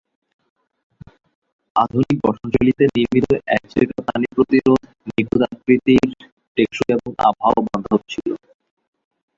আধুনিক গঠনশৈলীতে নির্মিত অ্যাজটেকা পানি প্রতিরোধক, নিখুঁত আকৃতির, টেকসই এবং আবহাওয়াবান্ধব ছিল।